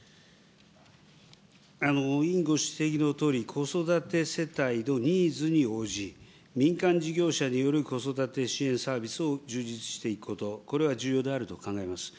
委員ご指摘のとおり、子育て世帯のニーズに応じ、民間事業者による子育て支援サービスを充実していくこと、これは重要であると考えます。